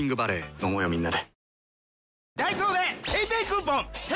飲もうよみんなで。